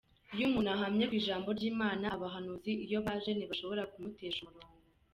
Iyo umuntu ahamye ku ijambo ry’Imana abahanuzi iyo baje ntibashobora kumutesha umurongo.